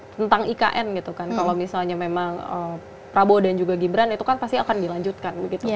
tentang ikn gitu kan kalau misalnya memang prabowo dan juga gibran itu kan pasti akan dilanjutkan